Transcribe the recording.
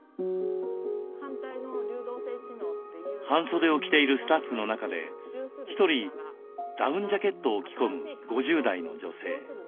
半袖を着ているスタッフの中で１人ダウンジャケットを着込む５０代の女性。